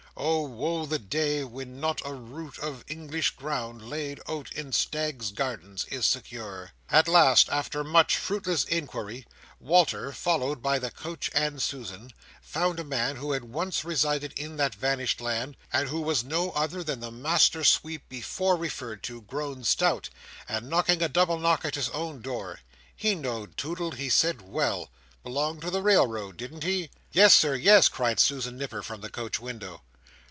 Oh woe the day when "not a rood of English ground"—laid out in Staggs's Gardens—is secure! At last, after much fruitless inquiry, Walter, followed by the coach and Susan, found a man who had once resided in that vanished land, and who was no other than the master sweep before referred to, grown stout, and knocking a double knock at his own door. He knowed Toodle, he said, well. Belonged to the Railroad, didn't he? "Yes sir, yes!" cried Susan Nipper from the coach window.